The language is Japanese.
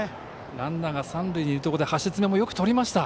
ランナーが三塁にいるところで橋爪もよくとりました。